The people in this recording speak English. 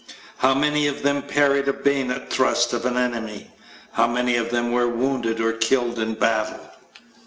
How many of them parried a bayonet thrust of an enemy? How many of them were wounded or killed in battle?